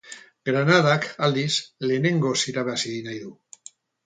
Granadak, aldiz, lehenengoz irabazi nahi du.